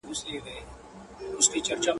زه مسافر پر لاره ځم سلګۍ وهمه.